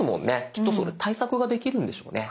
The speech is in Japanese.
きっとその対策ができるんでしょうね。